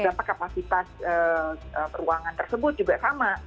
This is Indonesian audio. dampak kapasitas ruangan tersebut juga sama